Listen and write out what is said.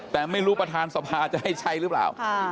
แต่ไม่รู้ประธานสภาจะให้ใช้หรือเปล่า